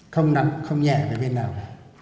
không nặng không nhẹ về bên nào